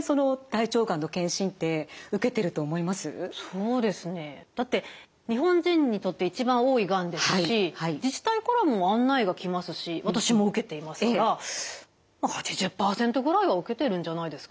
そうですねだって日本人にとって一番多いがんですし自治体からも案内が来ますし私も受けていますからまあ８０％ぐらいは受けてるんじゃないですかね。